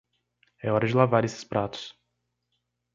É hora de lavar esses pratos.